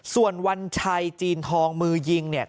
ส่วนวัญชัยจีนทองมือยิงเนี่ย